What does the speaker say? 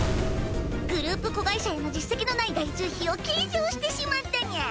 グループ子会社への実績のない外注費を計上してしまったにゃ。